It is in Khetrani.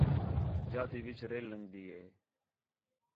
جا تی وِچ ریل لنڳدی ہِے